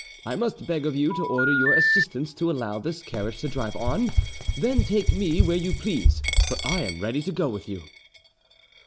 I must beg of you to order your assistants to allow this carriage to drive on; then take me where you please, for I am ready to go with you."